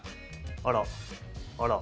あらあら。